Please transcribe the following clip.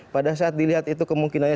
pada saat dilihat itu kemungkinannya